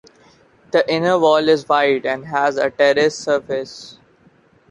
The inner wall is wide and has a terraced surface.